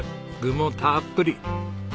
具もたっぷり。